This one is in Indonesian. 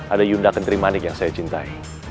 ada yunda kendrimanik yang saya cintai